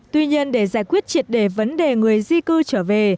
tuy nhiên để giải quyết triệt đề vấn đề người di cư trở về